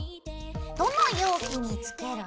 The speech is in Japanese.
どの容器につける？